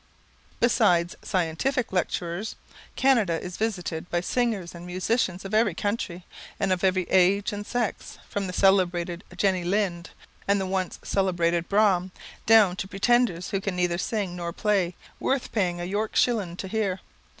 Besides scientific lecturers, Canada is visited by singers and musicians of every country, and of every age and sex from the celebrated Jenny Lind, and the once celebrated Braham, down to pretenders who can neither sing nor play, worth paying a York shilling to hear.